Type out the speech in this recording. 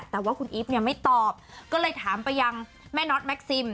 แต่ว่าคุณอีฟเนี่ยไม่ตอบก็เลยถามไปยังแม่น็อตแม็กซิม